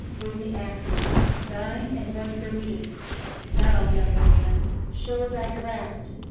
"Bring the axes, thine and one for me. Now, young woodsman, show thy craft!